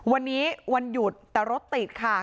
วันนี้วันหยุดแต่รถติดค่ะ